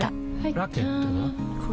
ラケットは？